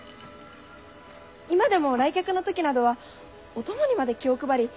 今でも来客の時などはお供にまで気を配り